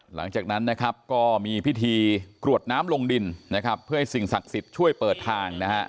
หลังจากนั้นนะครับก็มีพิธีกรวดน้ำลงดินนะครับเพื่อให้สิ่งศักดิ์สิทธิ์ช่วยเปิดทางนะฮะ